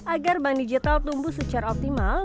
agar bank digital tumbuh secara optimal